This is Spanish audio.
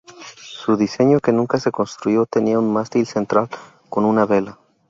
Su diseño, que nunca se construyó, tenía un mástil central con una vela.